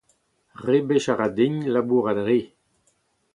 Rebech a ra din labourat re !